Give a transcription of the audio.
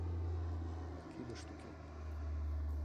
Кидышт уке.